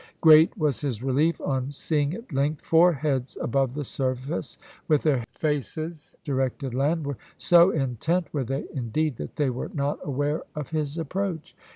Great was his relief on seeing at length four heads above the surface, with their faces directed landward. So intent were they, indeed, that they were not aware of his approach.